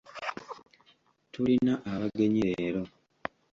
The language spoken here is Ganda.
Tulina abagenyi leero.